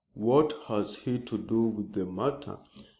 "What has he to do with the matter?"